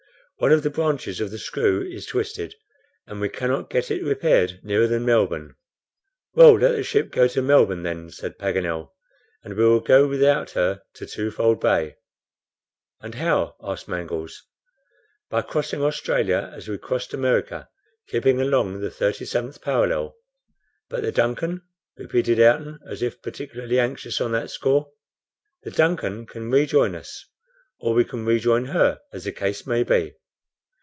One of the branches of the screw is twisted, and we cannot get it repaired nearer than Melbourne." "Well, let the ship go to Melbourne then," said Paganel, "and we will go without her to Twofold Bay." "And how?" asked Mangles. "By crossing Australia as we crossed America, keeping along the 37th parallel." "But the DUNCAN?" repeated Ayrton, as if particularly anxious on that score. "The DUNCAN can rejoin us, or we can rejoin her, as the case may be.